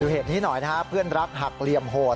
เหตุนี้หน่อยนะฮะเพื่อนรักหักเหลี่ยมโหด